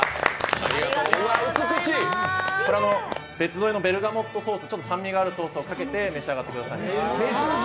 別添えのベルガモットソース、ちょっと酸味があるソースをかけて召し上がってください。